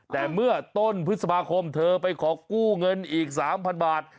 แต่เมื่อต้นพฤษภาคมเธอไปขอกู้เงินอีก๓๐๐บาท